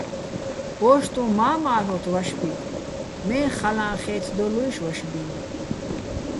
ო́შტუჼ მა́მ ა́ლ'ოთ ვაშბიგო̆, მე́ ხალა́ჼ ხე́თდოლუჲში̆ ვაშბინ.